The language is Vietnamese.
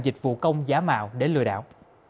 dịch vụ công giá mạo để lừa đảo